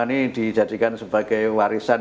ini dijadikan sebagai warisan